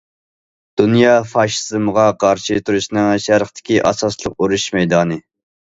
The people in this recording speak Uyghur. دۇنيا فاشىزمغا قارشى تۇرۇشنىڭ شەرقتىكى ئاساسلىق ئۇرۇش مەيدانى.